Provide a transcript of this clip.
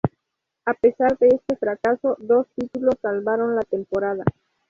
A pesar de este fracaso, dos títulos salvaron la temporada.